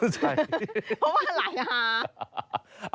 เพราะว่าไหนฮะ